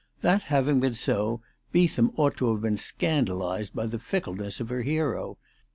That having been so, Beetham ought to have been scandalised by the fickleness of her hero.